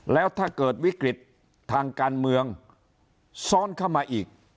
แล้วถ้าเกิดวิกฤตทางการเมืองซ้อนเข้ามาอีก